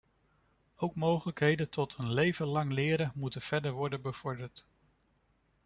Ook mogelijkheden tot een leven lang leren moeten verder worden bevorderd.